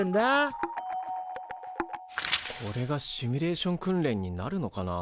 これがシミュレーション訓練になるのかな？